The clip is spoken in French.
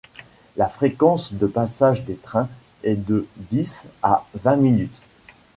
La fréquence de passage des trains est de dix à vingt minutes.